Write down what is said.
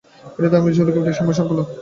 এটি তাঁর নির্বাচিত কবিতাসমূহের সংকলন।